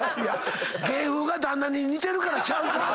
芸風が旦那に似てるからちゃうか？